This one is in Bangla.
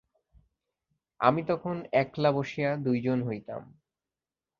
আমি তখন একলা বসিয়া দুইজন হইতাম।